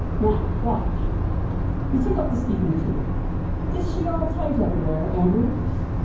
Now, watch." He took up the speaking tube. "Is she all tight everywhere, Andrew?"